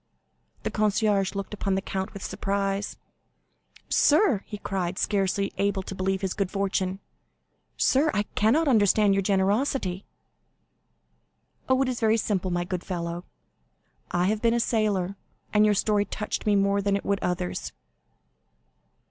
The concierge looked upon the count with surprise. "Sir," he cried, scarcely able to believe his good fortune—"sir, I cannot understand your generosity!" "Oh, it is very simple, my good fellow; I have been a sailor, and your story touched me more than it would others."